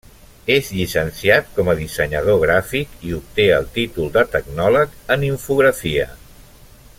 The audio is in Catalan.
És llicenciat com a dissenyador gràfic i obté el títol de tecnòleg en infografia.